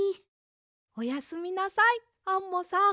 おやすみなさいアンモさん。